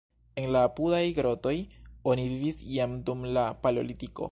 En la apudaj grotoj oni vivis jam dum la paleolitiko.